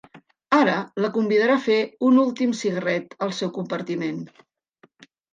Ara la convidarà a fer un últim cigarret al seu compartiment.